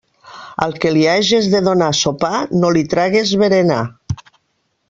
Al que li hages de donar sopar no li tragues berenar.